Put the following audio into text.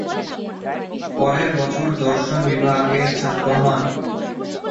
পরের বছর দর্শন বিভাগের ছাত্র হন।